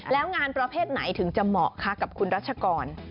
แล้วงานประเภทไหนถึงจะเหมาะคะกับคุณรัชกร